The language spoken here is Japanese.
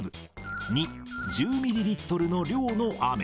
２、１０ミリリットルの量の雨。